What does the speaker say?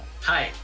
はい。